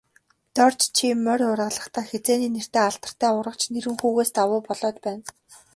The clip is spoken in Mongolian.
Дорж чи морь уургалахдаа, хэзээний нэртэй алдартай уургач Нэрэнхүүгээс давуу болоод байна.